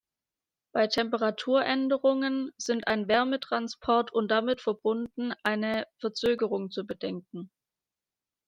Bei Temperaturänderungen sind ein Wärmetransport und damit verbunden eine Verzögerung zu bedenken.